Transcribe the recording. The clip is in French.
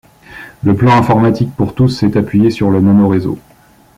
Le plan informatique pour tous s'est appuyé sur le nanoréseau.